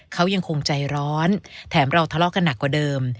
เขายังคงใจร้อนแถมเราทะเลาะกันหนักกว่าเดิม